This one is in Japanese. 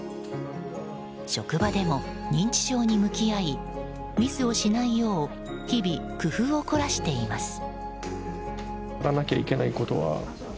職場でも認知症に向き合いミスをしないよう日々、工夫を凝らしています。